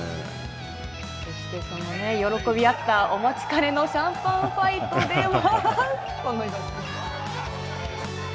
そしてその喜び合った、お待ちかねのシャンパンファイトでは。